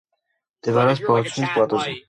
მდებარეობს ბორცვიან პლატოზე.